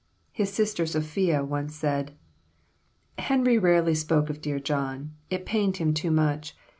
His sister Sophia once said: "Henry rarely spoke of dear John; it pained him too much.